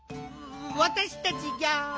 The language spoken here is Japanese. わたしたちギャ。